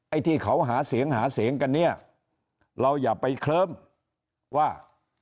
ที่เขาหาเสียงหาเสียงกันเนี่ยเราอย่าไปเคลิ้มว่า